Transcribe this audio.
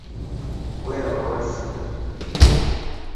Weraba Wazzike.